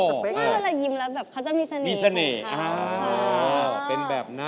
หน้าตาน่ารักยิ้มแล้วเขาจะมีเสน่ห์